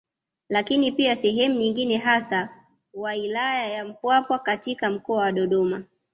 Lakini pia sehemu nyingine hasa wailaya ya Mpwapwa katika mkoa wa Dodoma